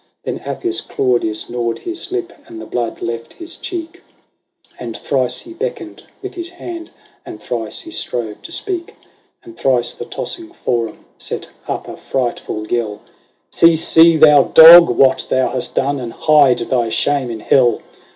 Then Appius Claudius gnawed his lip, and the blood left his cheek ; And thrice he beckoned with his hand, and thrice he strove to speak ; And thrice the tossing Forum set up a frightful yell ;" See, see, thou dog ! what thou hast done ; and hide thy shame in hell